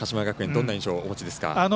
どんな印象をお持ちですか？